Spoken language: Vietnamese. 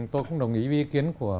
tôi cũng đồng ý với ý kiến của